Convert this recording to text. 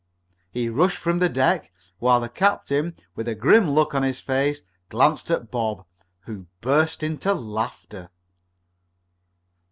He rushed from the deck, while the captain, with a grim look on his face, glanced at Bob, who burst into laughter.